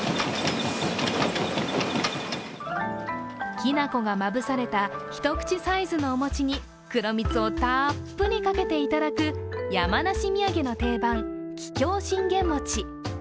きな粉がまぶされた、一口サイズのお餅に黒蜜をたっぷりかけていただく山梨土産の定番、桔梗信玄餅。